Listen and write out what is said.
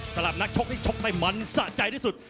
สำหรับนักชกที่ชกได้มันสะใจที่สุด